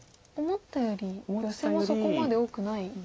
思ったよりヨセはそこまで多くない？